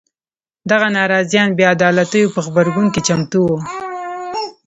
دغه ناراضیان بې عدالیتو په غبرګون کې چمتو وو.